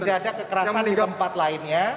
tidak ada kekerasan di tempat lainnya